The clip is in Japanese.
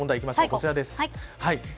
こちらです。